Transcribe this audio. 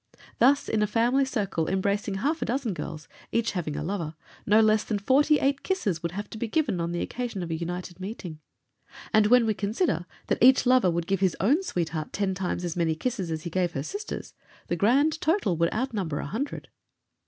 Thus, in a family circle embracing half a dozen girls, each having a lover, no less than forty eight kisses would have to be given on the occasion of a united meeting; and when we consider that each lover would give his own sweetheart ten times as many kisses as he gave her sisters, the grand total would outnumber a hundred.